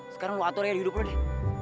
sekarang lo atur aja di hidup lo deh